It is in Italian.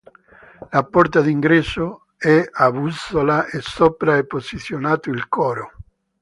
La porta d'ingresso è a bussola e sopra è posizionato il coro.